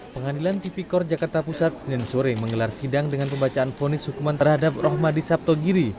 pengadilan tipikor jakarta pusat senin sore menggelar sidang dengan pembacaan fonis hukuman terhadap rohmadi sabtogiri